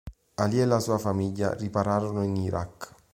ʿAlī e la sua famiglia ripararono in Iraq.